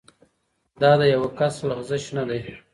دا د یوه کس لغزش نه دی.